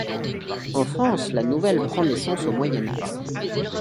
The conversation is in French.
En France, la nouvelle prend naissance au Moyen Âge.